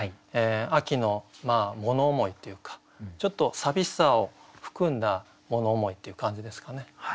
秋の物思いっていうかちょっと寂しさを含んだ物思いっていう感じですかね。